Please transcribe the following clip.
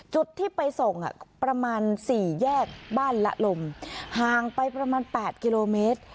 จุดที่ไปส่งประมาณ๔แยกบ้านละลมห่างไปประมาณ๘กิโลเมตร